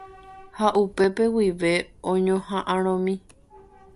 Ha upete guive oñohaʼãromi.